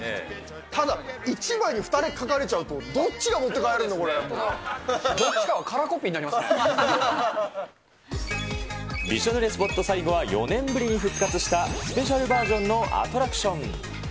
ただ、１枚に２人描かれちゃうと、どっちかがカラーコピーになびしょ濡れスポット、最後は４年ぶりに復活したスペシャルバージョンのアトラクション。